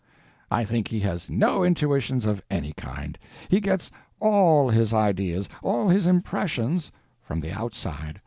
I think he has no intuitions of any kind. He gets _all _his ideas, all his impressions, from the outside.